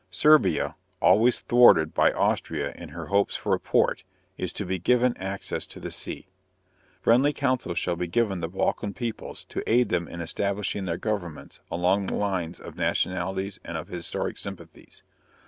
Serbia, always thwarted by Austria in her hopes for a port, is to be given access to the sea. Friendly counsel shall be given the Balkan peoples to aid them in establishing their governments along the lines of nationalities and of historic sympathies.